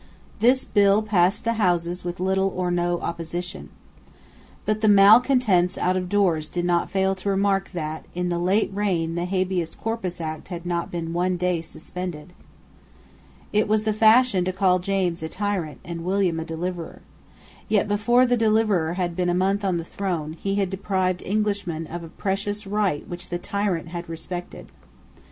This bill passed the two Houses with little or no opposition. But the malecontents out of doors did not fail to remark that, in the late reign, the Habeas Corpus Act had not been one day suspended. It was the fashion to call James a tyrant, and William a deliverer. Yet, before the deliverer had been a month on the throne, he had deprived Englishmen of a precious right which the tyrant had respected.